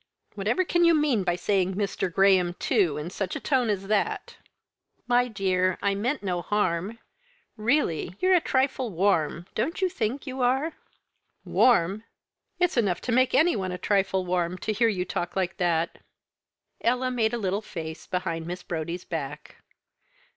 Whatever can you mean by saying 'Mr. Graham too?' in such a tone as that!" "My dear, I meant no harm. Really you're a trifle warm don't you think you are?" "Warm! It's enough to make any one a trifle warm to hear you talk like that." Ella made a little face behind Miss Brodie's back.